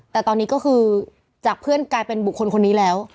แต่ตอนนี้ก็คือจากเพื่อนกลายเป็นบุคคลคนนี้แล้ว